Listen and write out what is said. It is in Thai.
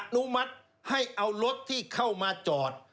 นุมัติให้เอารถที่เข้ามาจอด